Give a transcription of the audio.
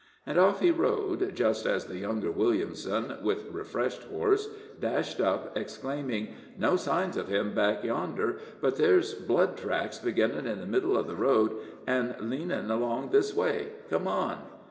And off he rode, just as the younger Williamson, with refreshed horse, dashed up, exclaiming: "No signs of him back yonder, but there's blood tracks beginnin' in the middle of the road, an' leanin' along this way. Come on!"